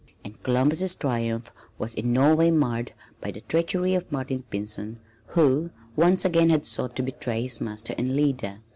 And Columbus' triumph was in no way marred by the treachery of Martin Pinzon who once again had sought to betray his master and leader.